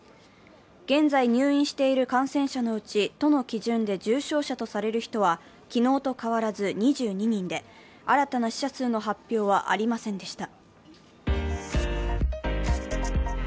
現在入院している感染者のうち都の基準で重症者とされる人は昨日と変わらず２２人で、新たな死者数の発表はありませんでした。